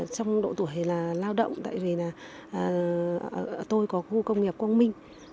trong độ tuổi là lao động tại vì là tôi có khu công nghiệp quang minh